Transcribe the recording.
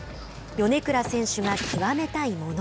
米倉選手が極めたいもの。